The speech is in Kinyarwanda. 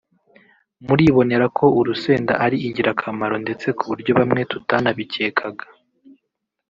muribonera ko urusenda ari ingirakamaro ndetse kuburyo bamwe tutanabikekaga